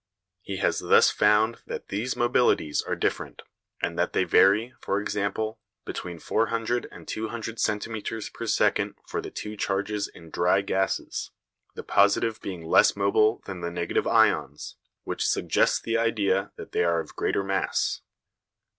He has thus found that these mobilities are different, and that they vary, for example, between 400 and 200 centimetres per second for the two charges in dry gases, the positive being less mobile than the negative ions, which suggests the idea that they are of greater mass.